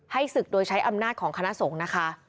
ศึกโดยใช้อำนาจของคณะสงฆ์นะคะ